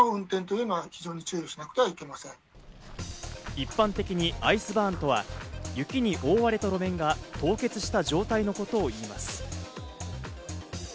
一般的にアイスバーンとは雪に覆われた路面が凍結した状態のことをいいます。